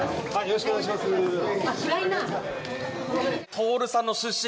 徹さんの出身